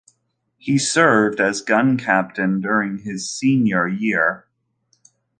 He served as gun captain during his senior year.